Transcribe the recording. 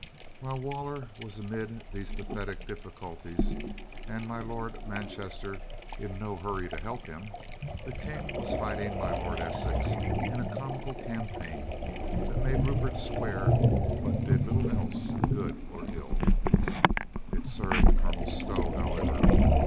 i68 NEWBURY VALE 169 While Waller was amid these pathetic difficulties, and my Lord Manchester in no hurry to help him, the King was fighting my Lord Essex in a comical campaign that made Rupert swear but did little else good or ill. It served Colonel Stow, however.